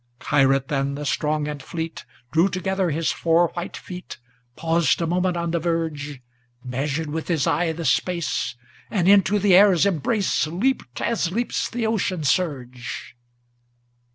Kyrat, then, the strong and fleet, Drew together his four white feet, Paused a moment on the verge, Measured with his eye the space, And into the air's embrace Leaped as leaps the ocean surge.